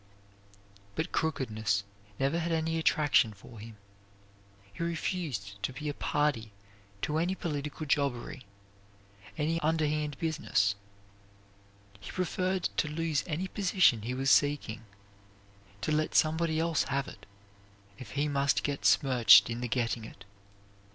But crookedness never had any attraction for him. He refused to be a party to any political jobbery, any underhand business. He preferred to lose any position he was seeking, to let somebody else have it, if he must get smirched in the getting it.